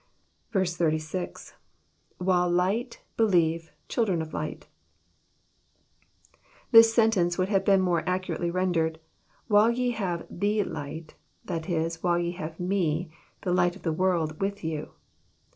86.— [TFTiiZe light...believ€,.,children oflighi,^ '^^^ sentence would have been more accurately rendered, " While ye have thk Light; that is, ''while ye have Ms, the Light of the world, with you.